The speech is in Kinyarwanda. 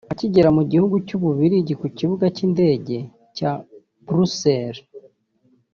Akigera mu gihugu cy'u Bubiligi ku kibuga cy'indege cya Brussels